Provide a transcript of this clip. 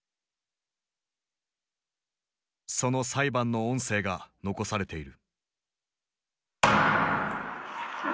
その裁判の音声が残されている。